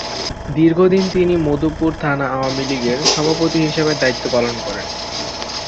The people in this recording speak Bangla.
দীর্ঘদিন তিনি মধুপুর থানা আওয়ামী লীগের সভাপতি হিসেবে দায়িত্ব পালন করেন।